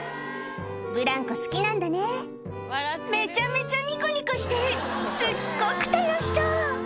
ブランコ好きなんだねめちゃめちゃニコニコしてるすっごく楽しそう！